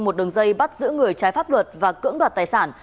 một đường dây bắt giữ người trái pháp luật và cưỡng đoạt tài sản